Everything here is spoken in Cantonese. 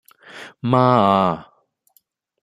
媽呀